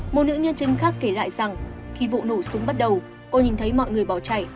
một nữ nhân chứng khác kể lại rằng khi vụ nổ súng bắt đầu cô nhìn thấy mọi người bỏ chạy